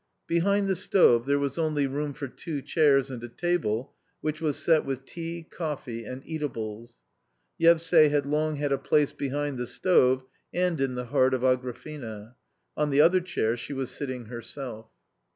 Behind the stove there was only room for two chairs and a table, which was set with tea, coffee, and eatables. Yevsay » had long had a place behind the stove and in the heart of Agrafena. On the other chair she was sitting herself.